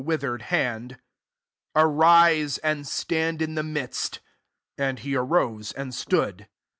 withered hand^ ^^Arise^ and stand in the midst." And he arose) and stood.